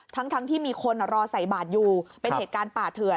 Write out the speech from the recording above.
ทั้งที่มีคนรอใส่บาทอยู่เป็นเหตุการณ์ป่าเถื่อน